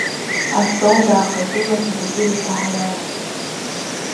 Астол даахагылан Бақьыр-иԥа Ҳараз.